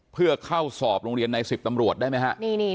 เพื่อเข้าสอบโรงเรียนใน๑๐ตำรวจได้ไหมฮะ